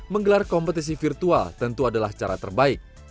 menggelar kompetisi virtual tentu adalah cara terbaik